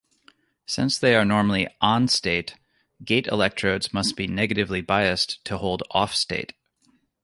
Since they are normally on-state, gate electrodes must be negatively biased to hold off-state.